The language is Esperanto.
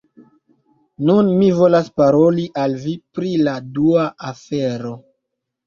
Nun, mi volas paroli al vi pri la dua afero.